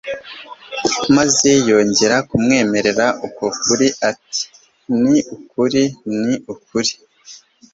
maze yongera kumwemerera uko kuri ati: "Ni ukuri, ni ukuri